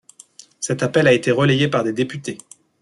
Cet appel a été relayé par des députés.